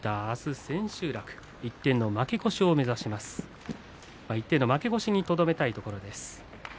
あす千秋楽一点の負け越しにとどめたいところです。